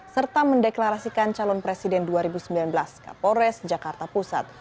serta mendeklarasikan calon presiden dua ribu sembilan belas kapolres jakarta pusat